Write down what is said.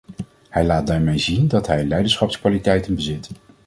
Hij laat daarmee zien dat hij leiderschapskwaliteiten bezit.